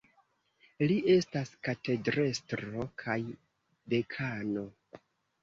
Li estas katedrestro kaj dekano.